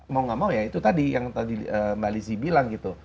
mau gak mau ya itu tadi yang tadi mbak lizzie bilang gitu